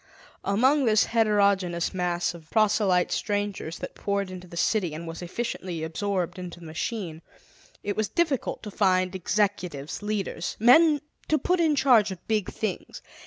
Among this heterogenous mass of proselyte strangers that poured into the city and was efficiently absorbed into the machine, it was yet difficult to find executives, leaders, men to put in charge of big things.